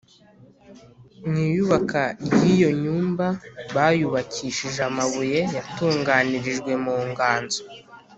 Mu iyubaka ry’iyo nyumba bayubakishije amabuye yatunganirijwe mu nganzo